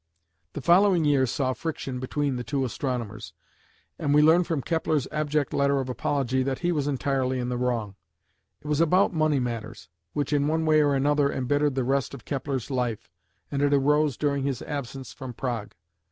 The following year saw friction between the two astronomers, and we learn from Kepler's abject letter of apology that he was entirely in the wrong. It was about money matters, which in one way or another embittered the rest of Kepler's life, and it arose during his absence from Prague.